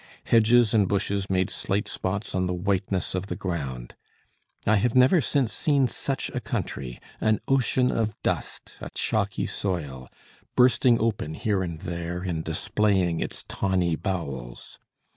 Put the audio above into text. Hedges and bushes made slight spots on the whiteness of the ground. I have never since seen such a country, an ocean of dust, a chalky soil, bursting open here and there, and displaying its tawny bowels.